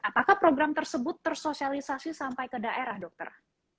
apakah program tersebut tersosialisasi sampai ke daerah dokter